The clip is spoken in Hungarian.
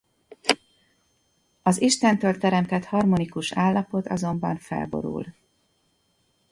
Az Istentől teremtett harmonikus állapot azonban felborul.